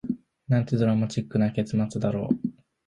なんてドラマチックな結末だろう